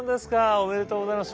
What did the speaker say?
おめでとうございます。